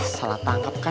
salah tangkap kan